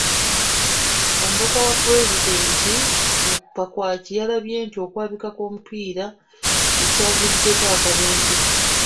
Omubaka wa pulezidenti mu Pakwach yalabye nti okwabika kw'omupiira ky'ekyaviiriddeko akabenje.